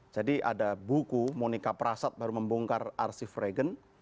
jadi ada buku monica prasad baru membongkar arsif reagan